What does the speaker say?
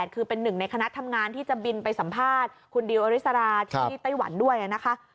คือเป็นหนึ่งในคณะทำงานที่จะบินไปสัมภาษณ์คุณดิวอริสราที่ไต้หวันด้วยนะคะ